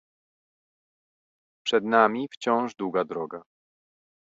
Przed nami wciąż długa droga